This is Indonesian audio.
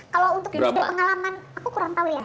kalau untuk yang sudah pengalaman aku kurang tahu ya